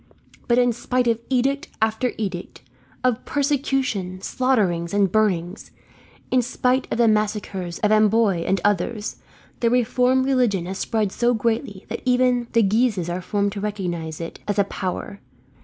But in spite of edict after edict, of persecution, slaughterings, and burnings, in spite of the massacres of Amboise and others, the reformed religion has spread so greatly that even the Guises are forced to recognize it as a power.